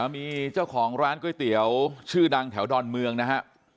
มีเจ้าของร้านก๋วยเตี๋ยวชื่อดังแถวดอนเมืองนะฮะ